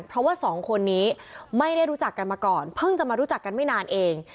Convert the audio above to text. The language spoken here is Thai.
เพราะว่าสองคนนี้ไม่ได้รู้จักกันมาก่อนเพิ่งจะมารู้จักกันไม่นานเอง